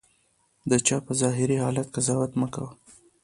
د چا په ظاهري حالت قضاوت مه کوه.